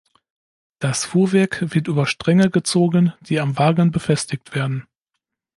Das Fuhrwerk wird über Stränge gezogen, die am Wagen befestigt werden.